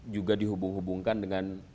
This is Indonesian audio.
juga dihubung hubungkan dengan